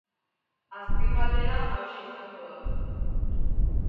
Azken galdera hauxe izango da.